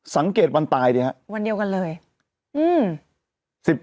สังเกตวันตายดิฮะวันเดียวกันเลยอืม